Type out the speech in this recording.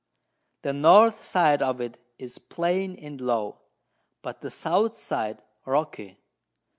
The North side of it is plain and low, but the South side rocky.